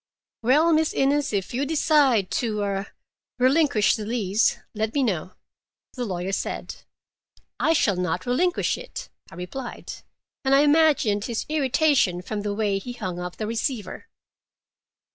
"Well, Miss Innes, if you decide to—er—relinquish the lease, let me know," the lawyer said. "I shall not relinquish it," I replied, and I imagined his irritation from the way he hung up the receiver.